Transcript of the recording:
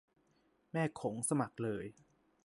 แม่โขงสมัครเลย